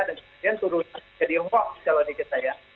dan kemudian turun jadi hoax kalau dikira saya